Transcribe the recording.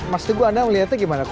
mas teguh anda melihatnya gimana